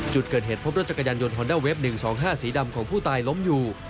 จุดเกิดเหตุพบรถจักรยานยนต์ฮอนด้าเวฟ๑๒๕สีดำของผู้ตายล้มอยู่